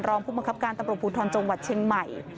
รองผู้บังคับการตำรวจภูทรจังหวัดเชียงใหม่